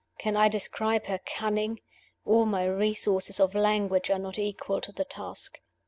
Can I describe her cunning? All my resources of language are not equal to the task.